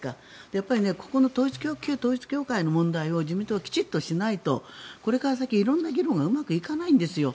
やっぱり旧統一教会の問題を自民党はきちんとしないとこれから先、色んな議論がうまくいかないんですよ。